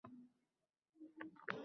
Ko‘zdan qochgan chet sohalarga